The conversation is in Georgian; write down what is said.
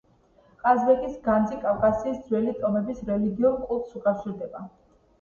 ყაზბეგის განძი კავკასიის ძველი ტომების რელიგიურ კულტს უკავშირდება.